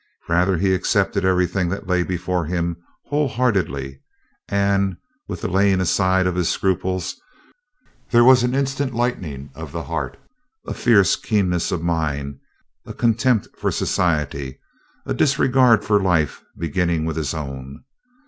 Rather he accepted everything that lay before him wholeheartedly, and, with the laying aside of his scruples, there was an instant lightening of the heart, a fierce keenness of mind, a contempt for society, a disregard for life beginning with his own.